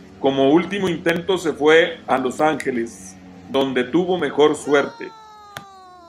Como último intento se fue a Los Ángeles, donde tuvo mejor suerte.